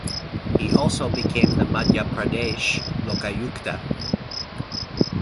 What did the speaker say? He also became the Madhya Pradesh Lokayukta.